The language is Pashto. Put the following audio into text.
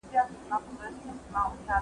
د توپان غرغړې اورم د بېړیو جنازې دي